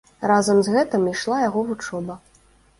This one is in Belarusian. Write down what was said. Разам з гэтым ішла яго вучоба.